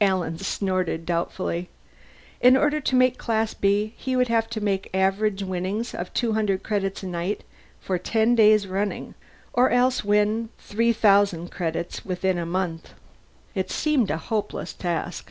Alan snorted doubtfully. In order to make Class B, he would have to make average winnings of two hundred credits a night for ten days running, or else win three thousand credits within a month. It seemed a hopeless task.